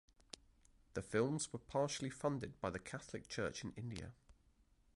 The films was partially funded by the Catholic Church in India.